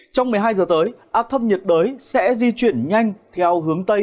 trong một mươi hai giờ tới áp thấp nhiệt đới sẽ di chuyển nhanh theo hướng tây